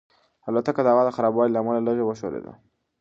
الوتکه د هوا د خرابوالي له امله لږه وښورېده.